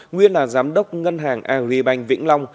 nguyên là giám đốc ngân hàng agribank vĩnh long